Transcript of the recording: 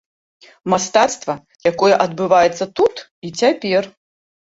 Мастацтва, якое адбываецца тут і цяпер.